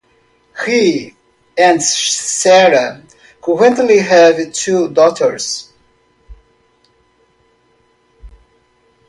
He and Sara currently have two daughters.